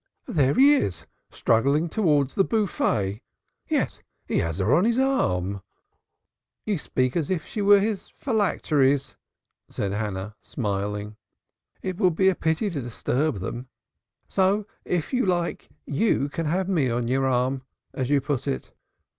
"There he is, struggling towards the buffet. Yes, he has her on his arm." "You speak as if she were his phylacteries," said Hannah, smiling. "It would be a pity to disturb them. So, if you like, you can have me on your arm, as you put it."